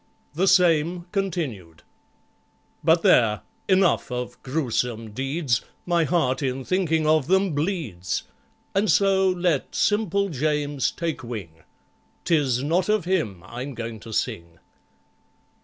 The same, continued But there—enough of gruesome deeds! My heart, in thinking of them, bleeds; And so let SIMPLE JAMES take wing,— 'Tis not of him I'm going to sing.